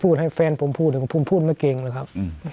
ให้แฟนผมพูดผมพูดไม่เก่งเลยครับ